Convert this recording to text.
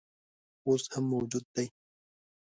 اوس هم موجود دی.